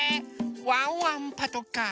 ワンワンパトカー。